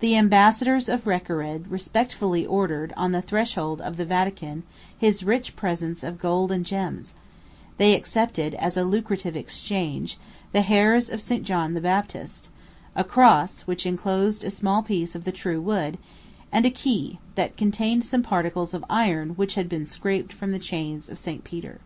The ambassadors of Recared respectfully offered on the threshold of the Vatican his rich presents of gold and gems; they accepted, as a lucrative exchange, the hairs of St. John the Baptist; a cross, which enclosed a small piece of the true wood; and a key, that contained some particles of iron which had been scraped from the chains of St. Peter.